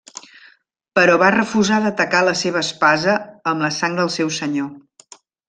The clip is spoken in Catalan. Però va refusar de tacar la seva espasa amb la sang del seu senyor.